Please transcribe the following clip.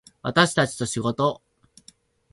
私たちと仕事